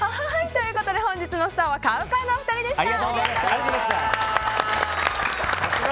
ということで本日のスターはＣＯＷＣＯＷのお二人でした。